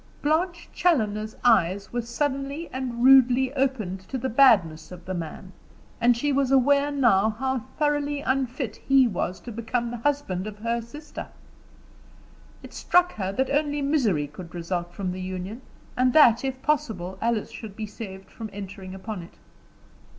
Blanche Challoner's eyes were suddenly and rudely opened to the badness of the man, and she was aware now how thoroughly unfit he was to become the husband of her sister. It struck her that only misery could result from the union, and that, if possible, Alice should be saved from entering upon it.